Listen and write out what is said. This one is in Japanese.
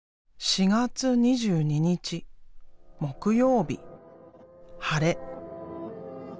「４月２２日木曜日晴れ。